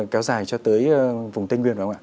cáo dài cho tới vùng tây nguyên